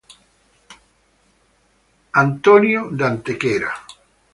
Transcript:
Steven de Dublín.